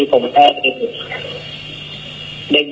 ทุกคนต้องถามบอกเสียชีวิตโดยเฉพาะไต้ตั้ง